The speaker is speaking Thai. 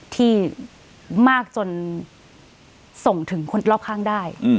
ที่มากจนส่งถึงคนรอบข้างได้